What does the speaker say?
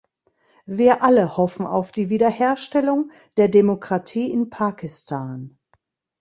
Wir alle hoffen auf die Wiederherstellung der Demokratie in Pakistan.